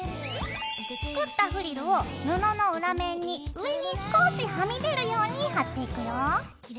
作ったフリルを布の裏面に上に少しはみ出るように貼っていくよ。